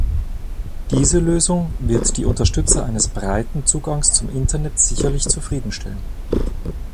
Diese Lösung wird die Unterstützer eines breiten Zugangs zum Internet sicherlich zufrieden stellen.